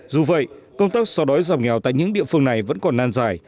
dù vậy công tác so đói dòng nghèo tại những địa phương này vẫn còn nan dài